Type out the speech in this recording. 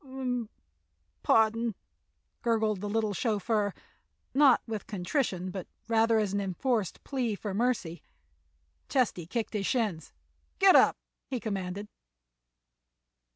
"M m m—pardon," gurgled the little chauffeur, not with contrition but rather as an enforced plea for mercy. Chesty kicked his shins. "Get up," he commanded.